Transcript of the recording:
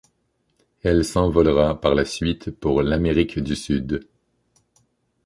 Elle s’envolera par la suite pour l’Amérique du Sud.